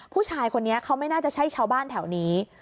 ผู้ชายคนนี้เขาไม่น่าจะใช่ชาวบ้านแถวนี้